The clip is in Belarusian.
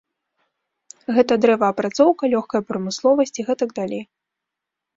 Гэта дрэваапрацоўка, лёгкая прамысловасць і гэтак далей.